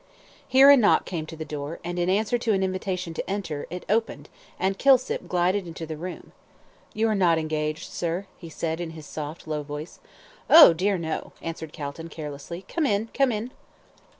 Here a knock came to the door, and in answer to an invitation to enter, it opened, and Kilsip glided into the room. "You're not engaged, sir?" he said, in his soft, low voice. "Oh, dear, no," answered Calton, carelessly; "come in come in!"